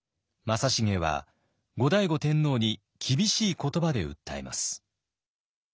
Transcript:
正成は後醍醐天皇に厳しい言葉で訴えます。